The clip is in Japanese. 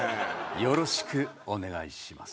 よろしくお願いします。